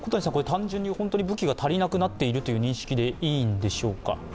単純に本当に武器が足りなくなっているという認識でいいんでしょうか？